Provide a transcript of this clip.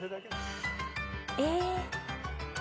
え？